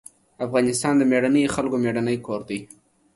افغانستان د مېړنيو خلکو مېړنی کور دی.